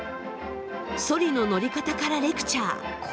ソリの乗り方からレクチャー。